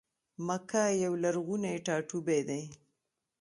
مکه یو لرغونی ټا ټوبی دی.